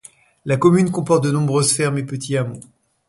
La commune comporte de nombreuses fermes et petits hameaux.